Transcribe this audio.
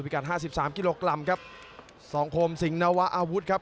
๕๓กิโลกรัมครับสองโคมสิงห์นวาอาวุธครับ